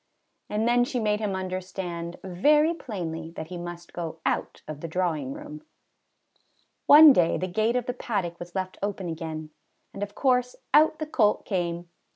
And then she made him understand very plainly that he must go out of the drawing room. One day the gate of the paddock was left open again, and of course out the colt came.